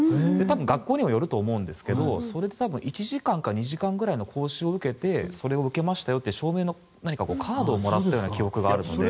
学校にもよると思うんですけど１時間か２時間くらいの講習を受けまして講習を受けたという証明のカードをもらった記憶があるので。